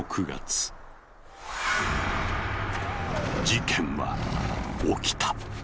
事件は起きた。